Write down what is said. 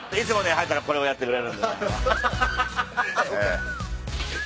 入ったらこれをやってくれるんでね。